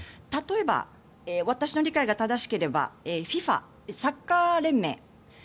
例えば、私の理解が正しければＦＩＦＡ、サッカー連盟。